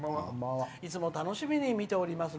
いつも楽しみに見ております。